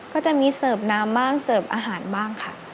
ก็จะมีเสิร์ฟน้ำบ้างเสิร์ฟอาหารบ้างค่ะ